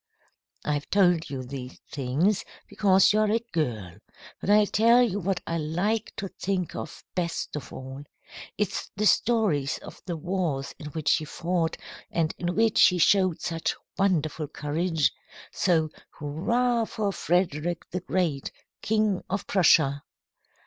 "I've told you these things because you are a girl. But I'll tell you what I like to think of best of all. It's the stories of the wars in which he fought and in which he showed such wonderful courage. So, hurrah for Frederick the Great, King of Prussia!"